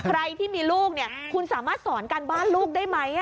ใครที่มีลูกคุณสามารถสอนการบ้านลูกได้ไหม